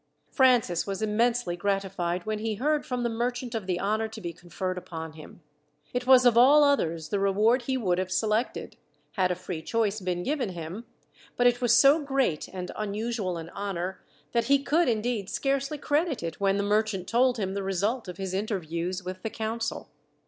Francis was immensely gratified, when he heard from the merchant of the honour to be conferred upon him. It was of all others the reward he would have selected, had a free choice been given him, but it was so great and unusual an honour, that he could indeed scarcely credit it when the merchant told him the result of his interviews with the council.